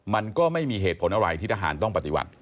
มันก็ไม่มีเหตุผลอะไรที่ทหารต้องปฏิบัติ